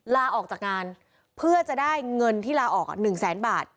ลาออกจากงานเพื่อจะได้เงินที่ลาออก๑แสนบาท